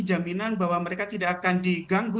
jaminan bahwa mereka tidak akan diganggu